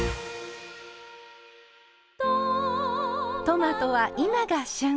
トマトは今が旬。